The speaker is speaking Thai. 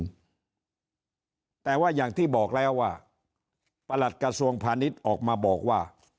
แต่ว่าอย่างที่บอกแล้วว่าประหลัดกระทรวงพาณิชย์ออกมาบอกว่า